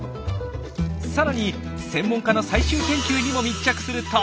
さらに専門家の最新研究にも密着すると。